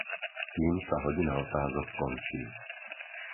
Tým sa hodina otázok končí.